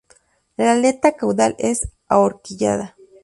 La aleta caudal es ahorquillada.